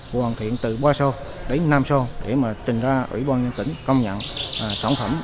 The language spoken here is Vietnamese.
hoàn thiện từ qua sâu đến năm sâu để mà tình ra ủy ban tỉnh công nhận sản phẩm